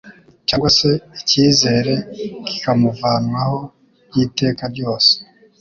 cyangwa se icyizere kikamuvanwaho by'iteka rose.